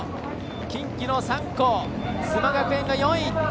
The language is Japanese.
近畿の３校、須磨学園が４位。